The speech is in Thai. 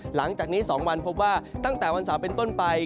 หลังจากนี้๒วันพบว่าตั้งแต่วันเสาร์เป็นต้นไป